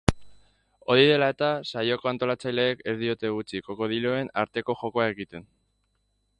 Hori dela eta, saioko antolatzaileek ez diote utzi krokodiloen arteko jokoa egiten.